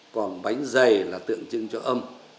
còn bánh dày là tượng trưng cho âm